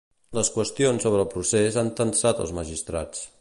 Les qüestions sobre el procés han tensat els magistrats.